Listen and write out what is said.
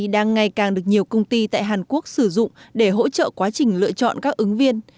đang ngày càng được nhiều công ty tại hàn quốc sử dụng để hỗ trợ quá trình lựa chọn các ứng viên